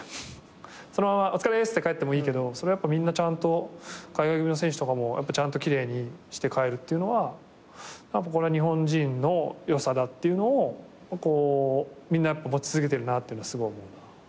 そのままお疲れっすって帰ってもいいけどそれをやっぱみんな海外組の選手とかもちゃんと奇麗にして帰るっていうのはこれは日本人の良さだっていうのをみんな持ち続けてるなっていうのはすごい思う。